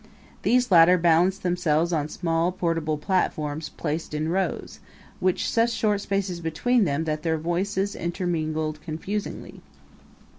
These latter balanced themselves on small portable platforms placed in rows, with such short spaces between them that their voices intermingled confusingly.